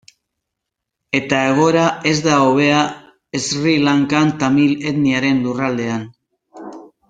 Eta egoera ez da hobea Sri Lankan, tamil etniaren lurraldean.